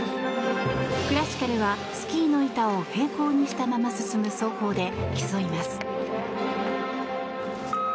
クラシカルはスキーの板を平行にしたまま進む走法で競います。